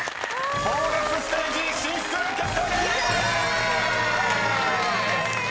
［ボーナスステージ進出決定でーす！］